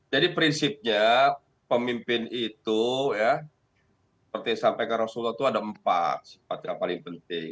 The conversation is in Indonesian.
jadi prinsipnya pemimpin itu seperti yang disampaikan rasulullah itu ada empat sifatnya paling penting